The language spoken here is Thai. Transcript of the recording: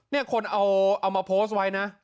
นี่คนเอามาโพสต์ไว้นะ